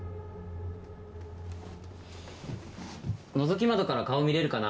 のぞき窓から顔見れるかな？